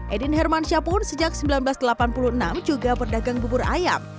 edin hermansyah pun sejak seribu sembilan ratus delapan puluh enam juga berdagang bubur ayam